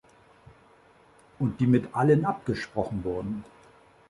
Und die mit allen abgesprochen wurden.